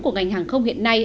của ngành hàng không hiện nay